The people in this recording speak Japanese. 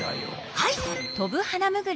はい。